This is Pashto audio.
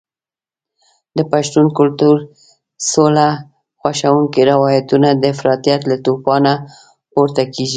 د پښتون کلتور سوله خوښونکي روایتونه د افراطیت له توپانه پورته کېږي.